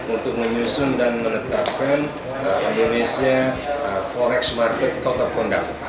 untuk menyusun dan menetapkan indonesia forex market kotak kotak